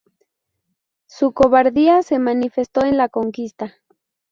Su cobardía se manifestó en la conquista"".